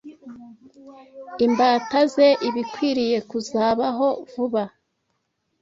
imbata ze ibikwiriye kuzabaho vuba